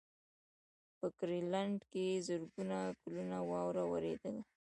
په ګرینلنډ کې زرګونه کلونه واوره ورېدلې ده